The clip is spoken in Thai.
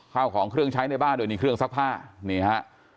ข้าวของเครื่องใช้ในบ้านโดยมีเครื่องซักผ้านี่ฮะ